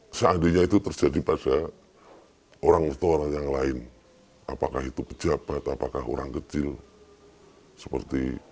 hai seandainya itu terjadi pada orang orang yang lain apakah itu pejabat apakah orang kecil seperti